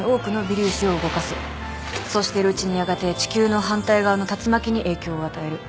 そうしているうちにやがて地球の反対側の竜巻に影響を与える。